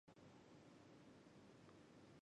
嫁钱塘贡士丁睿为妻。